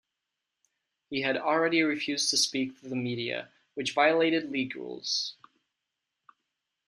He had already refused to speak to the media, which violated league rules.